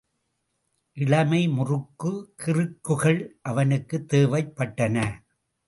இளமை முறுக்கு கிறுக்குகள் அவனுக்குத் தேவைப்பட்டன.